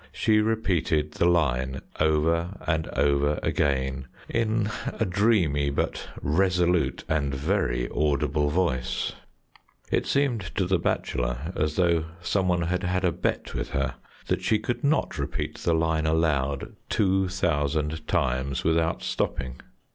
She repeated the line over and over again in a dreamy but resolute and very audible voice; it seemed to the bachelor as though some one had had a bet with her that she could not repeat the line aloud two thousand times without stopping.